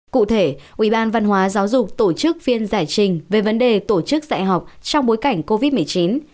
cụ thể ubnd giáo dục tổ chức viên giải trình về vấn đề tổ chức dạy học trong bối cảnh covid một mươi chín